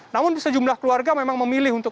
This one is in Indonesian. namun sejumlah keluarga memang memilih untuk